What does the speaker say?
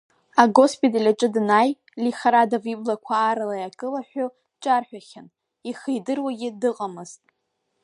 Агоспиталь аҿы данааи, Лихардов иблақәа аарла иаакылҳәҳәо дҿарҳәахьан, ихы идыруагьы дыҟамызт.